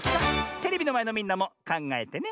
テレビのまえのみんなもかんがえてね。